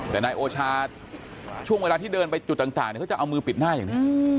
แต่นายโอชาช่วงเวลาที่เดินไปจุดต่างเขาจะเอามือปิดหน้าอย่างนี้